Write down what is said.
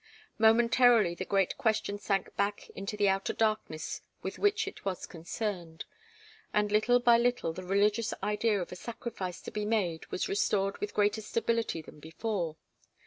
Momentarily the great question sank back into the outer darkness with which it was concerned, and little by little the religious idea of a sacrifice to be made was restored with greater stability than before.